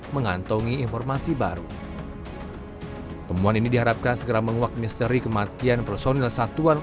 mengantongi informasi baru temuan ini diharapkan segera menguak misteri kematian personil satuan